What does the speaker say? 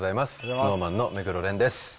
ＳｎｏｗＭａｎの目黒蓮です。